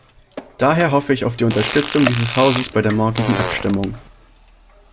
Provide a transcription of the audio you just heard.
Daher hoffe ich auf die Unterstützung dieses Hauses bei der morgigen Abstimmung.